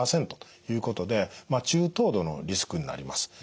５％ということで中等度のリスクになります。